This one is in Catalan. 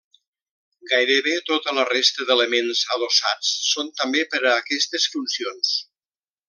Gairebé tota la resta d'elements adossats són també per a aquestes funcions.